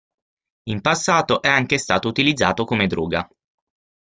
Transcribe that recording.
In passato è anche stato utilizzato come droga.